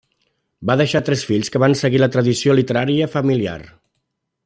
Va deixar tres fills que van seguir la tradició literària familiar.